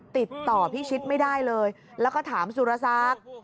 ติดต่อพิชิตไม่ได้เลยแล้วก็ถามสุรศักดิ์